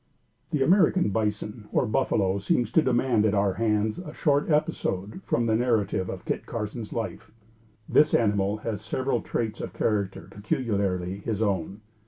The American bison or buffalo seems to demand at our hands a short episode from the narrative of Kit Carson's life. This animal has several traits of character peculiarly his own.